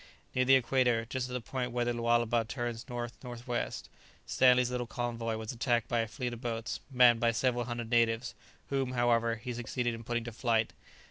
Near the equator, just at the point where the Lualaba turns north north west, Stanley's little convoy was attacked by a fleet of boats, manned by several hundred natives, whom, however, he succeeded in putting to flight.